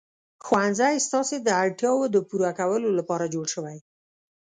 ښوونځی ستاسې د اړتیاوو د پوره کولو لپاره جوړ شوی.